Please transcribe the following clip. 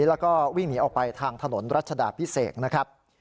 แล้วก็วิ่งหนีออกไปทางถนนรัชดาพิเศษนะครับ